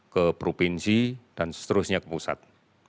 ke provinsi dan seterusnya ke pusat